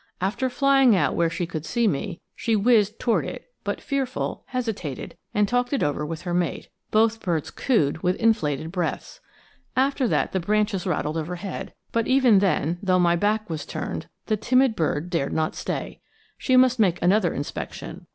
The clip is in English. After flying out where she could see me, she whizzed toward it; but, fearful, hesitated and talked it over with her mate both birds cooed with inflated breaths. After that the branches rattled overhead, but even then, though my back was turned, the timid bird dared not stay. She must make another inspection.